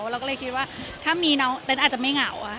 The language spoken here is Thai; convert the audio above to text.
เราก็เลยคิดว่าถ้ามีน้องเต้นอาจจะไม่เหงา